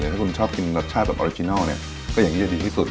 ถ้าคุณชอบกินรสชาติแบบออริจินัลเนี่ยก็อย่างนี้จะดีที่สุด